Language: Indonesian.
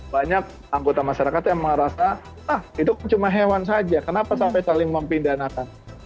banyak anggota masyarakat yang merasa ah itu kan cuma hewan saja kenapa sampai saling mempindanakan